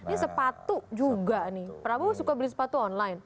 ini sepatu juga nih prabowo suka beli sepatu online